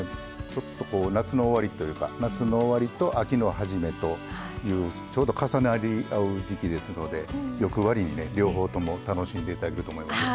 ちょっとこう夏の終わりというか夏の終わりと秋の初めというちょうど重なり合う時季ですので欲張りにね両方とも楽しんでいただけると思いますよ。